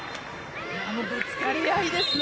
ぶつかり合いですね